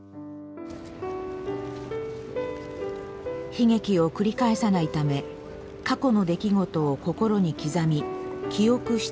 悲劇を繰り返さないため過去の出来事を心に刻み記憶し続ける。